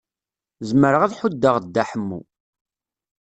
Zemreɣ ad ḥuddeɣ Dda Ḥemmu.